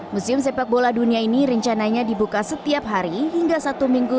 museum sepak bola dunia ini rencananya dibuka setiap hari hingga satu minggu